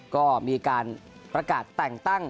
ก็มีการประกาศแต่งตั้ง